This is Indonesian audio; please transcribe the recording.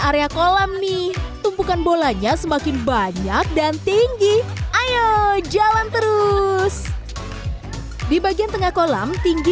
area kolam nih tumpukan bolanya semakin banyak dan tinggi ayo jalan terus di bagian tengah kolam tinggi